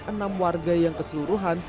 enam warga yang keseluruhan